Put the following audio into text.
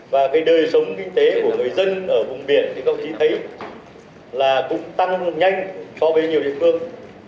và cái đời sống kinh tế của người dân ở vùng biển thì các ông chí thấy là cũng tăng nhanh so với nhiều địa phương